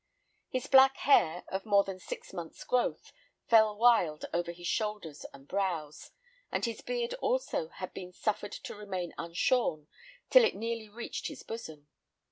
His black hair, of more than six months' growth, fell wild over his shoulders and brows, and his beard also had been suffered to remain unshorn till it nearly reached his bosom.